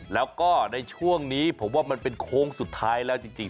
แล้วก็ในช่วงนี้ผมว่ามันเป็นโค้งสุดท้ายแล้วจริง